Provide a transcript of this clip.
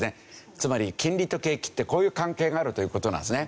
つまり金利と景気ってこういう関係があるという事なんですね。